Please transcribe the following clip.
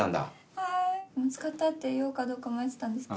はい「使った」って言おうかどうか迷ってたんですけど。